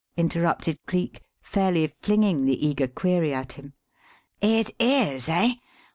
interrupted Cleek, fairly flinging the eager query at him. "It is, eh?